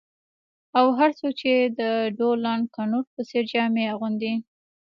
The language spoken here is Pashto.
او هر څوک چې د ډونالډ کنوت په څیر جامې اغوندي